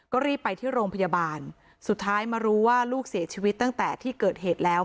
ก็รีบไปที่โรงพยาบาลสุดท้ายมารู้ว่าลูกเสียชีวิตตั้งแต่ที่เกิดเหตุแล้ว